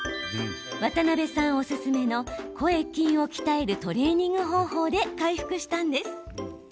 渡邊さんおすすめの声筋を鍛えるトレーニング方法で回復したんです。